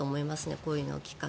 こういうのをきっかけに。